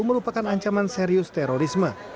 merupakan ancaman serius terorisme